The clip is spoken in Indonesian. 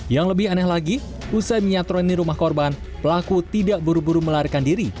yang lebih aneh lagi usai menyatroni rumah korban pelaku tidak buru buru melarikan diri